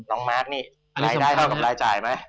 น้องมาสนี่รายได้เท่ากับรายจ่ายไหม